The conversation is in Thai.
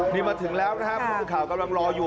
นี่มาถึงแล้วนะครับผู้สื่อข่าวกำลังรออยู่